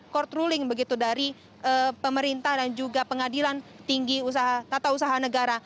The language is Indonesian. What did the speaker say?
court ruling begitu dari pemerintah dan juga pengadilan tinggi tata usaha negara